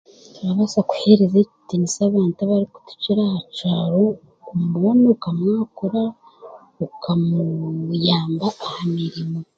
Orabaasa kuhereza ekitiinisa abantu abarikukukira aha kyaro, mbwenu okamwakura, okamuuyamba aha mirimo